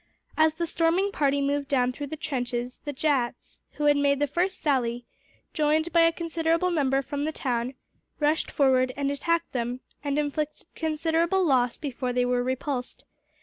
As the storming party moved down through the trenches the Jats who had made the first sally joined by a considerable number from the town, rushed forward and attacked them; and inflicted considerable loss before they were repulsed.